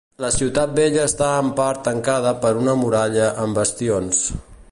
La ciutat vella està en part tancada per una muralla amb bastions.